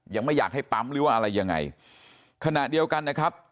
ยังไม่อยากให้ปั๊มหรือว่าอะไรยังไงขณะเดียวกันนะครับ